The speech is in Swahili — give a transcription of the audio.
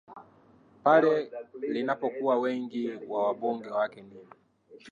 pale linapokuwa wengi wa wabunge wake ni